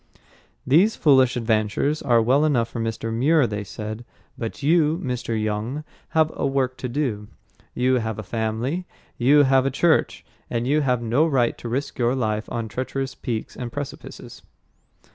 "These foolish adventures are well enough for Mr. Muir," they said, "but you, Mr. Young, have a work to do; you have a family; you have a church, and you have no right to risk your life on treacherous peaks and precipices."